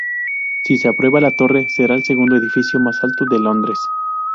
Si se aprueba, la torre será el segundo edificio más alto de Londres.